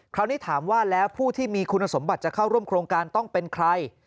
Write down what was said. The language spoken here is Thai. คราวนี้ถามว่าแล้วผู้ที่มีคุณสมบัติจะเข้าร่วมโครงการต้องเป็นใคร